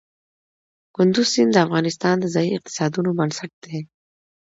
کندز سیند د افغانستان د ځایي اقتصادونو بنسټ دی.